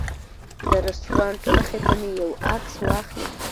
د رسټورانټ مخې ته مې یو عکس واخلي.